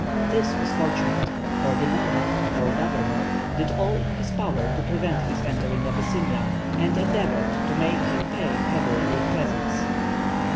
This was fortunate, for the Nawab, or governor did all in his power to prevent his entering Abyssinia, and endeavoured to make him pay heavily with presents.